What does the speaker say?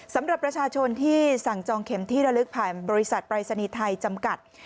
สำหรับประชาชนที่สั่งจองเข็มที่ระลึกผ่านบริษัทปรายศนีย์ไทยจำกัด